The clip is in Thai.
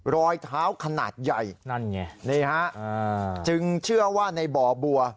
รอยเท้าขนาดใหญ่นั่นไงนี่ฮะจึงเชื่อว่าในบ่อบัว